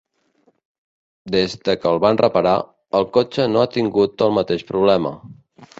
Des de que el van reparar, el cotxe no ha tingut el mateix problema.